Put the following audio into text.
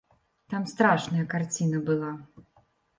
Там страшная карціна была.